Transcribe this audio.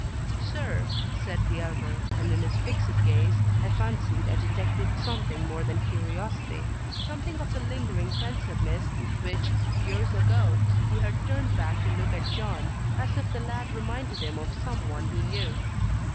"Sir," said the elder, and in his fixed gaze I fancied I detected something more than curiosity something of the lingering pensiveness with which, years ago, he had turned back to look at John as if the lad reminded him of some one he knew.